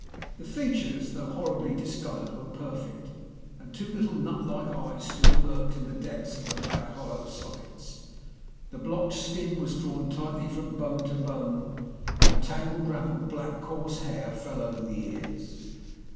The features, though horribly discoloured, were perfect, and two little nut like eyes still lurked in the depths of the black, hollow sockets. The blotched skin was drawn tightly from bone to bone, and a tangled wrap of black coarse hair fell over the ears.